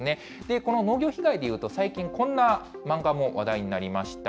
この農業被害でいうと、最近、こんな漫画も話題になりました。